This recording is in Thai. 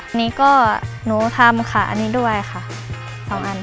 อันนี้ก็หนูทำค่ะอันนี้ด้วยค่ะสองอัน